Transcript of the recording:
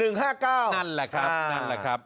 นั่นแหละครับนั่นแหละครับ